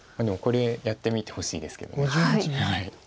でもこれやってみてほしいですけど。